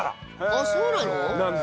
あっそうなの？